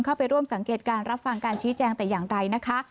เข้าไปร่วมสังเกตการรับฟังการชี้แจงแต่อย่างใดนะคะ